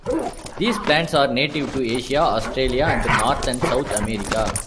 These plants are native to Asia, Australasia and North and South America.